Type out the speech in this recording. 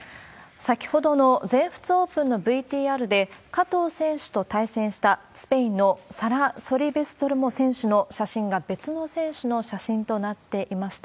先ほどの全仏オープンのＶＴＲで、加藤選手と対戦したスペインのサラ・ソリベストルモ選手の写真が別の選手の写真となっていました。